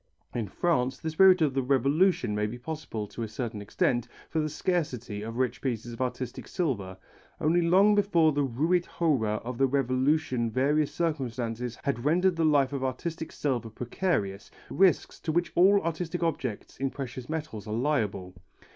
In France the spirit of the Revolution may be responsible to a certain extent for the scarcity of rich pieces of artistic silver, only long before the ruit hora of the Revolution various circumstances had rendered the life of artistic silver precarious, risks to which all artistic objects in precious metals are liable.